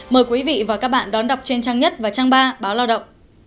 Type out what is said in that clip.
mời quý vị và các bạn đón đọc trên trang nhất và trang ba báo lao động